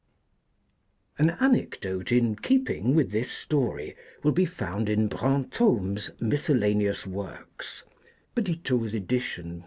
AN anecdote in keeping with this story will be found in Brantome's miscellaneous works (Petitot's ed., vol.